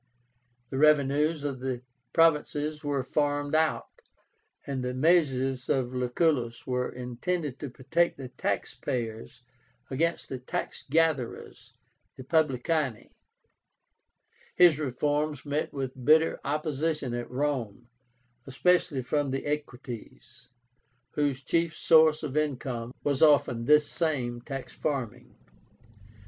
The revenues of the provinces were farmed out, and the measures of Lucullus were intended to protect the tax payers against the tax gatherers (publicani). His reforms met with bitter opposition at Rome, especially from the Equites, whose chief source of income was often this same tax farming.